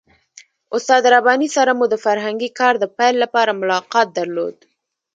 استاد رباني سره مو د فرهنګي کار د پیل لپاره ملاقات درلود.